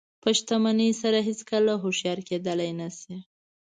په شتمنۍ سره هېڅکله هوښیار کېدلی نه شئ.